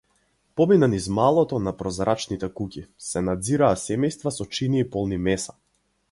Помина низ маалото на прозрачните куќи, се наѕираа семејства со чинии полни меса.